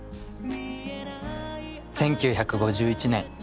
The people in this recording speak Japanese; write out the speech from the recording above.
１９５１年